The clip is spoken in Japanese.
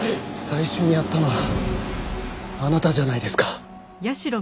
最初にやったのはあなたじゃないですか。